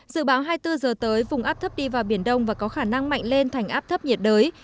dự báo hai mươi bốn giờ tới vùng áp thấp đi vào biển đông và có khả năng mạnh lên thành áp thấp nhiệt đới